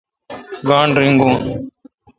گانٹھ رینگون؟